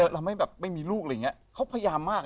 เราไม่แบบไม่มีลูกอะไรอย่างนี้เขาพยายามมาก